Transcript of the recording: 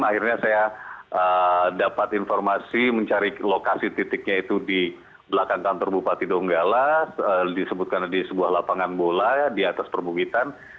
akhirnya saya dapat informasi mencari lokasi titiknya itu di belakang kantor bupati donggala disebutkan di sebuah lapangan bola di atas perbukitan